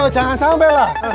jangan sampe lah